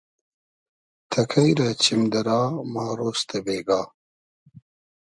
تئکݷ رۂ چیم دۂ را ما رۉز تۂ بېگا